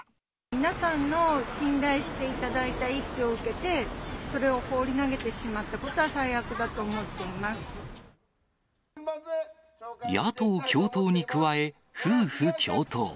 皆さんの信頼して頂いた１票を受けて、それを放り投げてしまったことは、最悪だと思っていま野党共闘に加え、夫婦共闘。